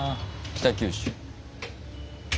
北九州。